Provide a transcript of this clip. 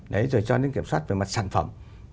đấy rồi cho đến kiểm soát về mặt sản phẩm